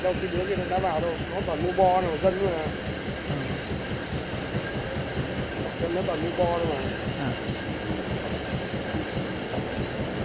nó tỏa mũ bo nè dân vừa nè